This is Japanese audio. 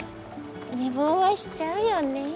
寝坊はしちゃうよね。